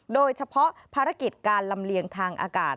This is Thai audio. โดยเฉพาะภารกิจการลำเลียงทางอากาศ